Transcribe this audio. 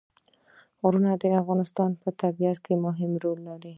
غرونه د افغانستان په طبیعت کې مهم رول لري.